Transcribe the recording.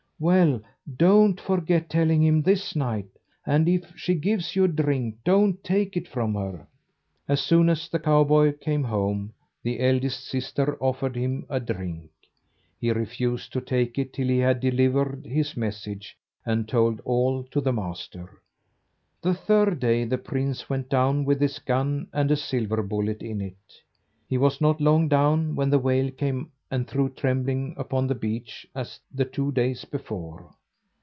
"Well, don't forget telling him this night; and if she gives you a drink, don't take it from her." As soon as the cowboy came home, the eldest sister offered him a drink. He refused to take it till he had delivered his message and told all to the master. The third day the prince went down with his gun and a silver bullet in it. He was not long down when the whale came and threw Trembling upon the beach as the two days before.